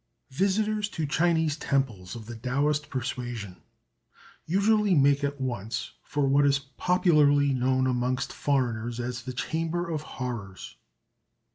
Visitors to Chinese temples of the Taoist persuasion usually make at once for what is popularly known amongst foreigners as the "Chamber of Horrors."